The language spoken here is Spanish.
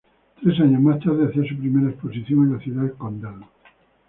Tres años más tarde hacía su primera exposición en la Ciudad Condal.